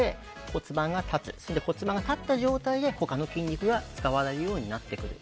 骨盤が立った状態で他の筋肉が使わないようになってくる。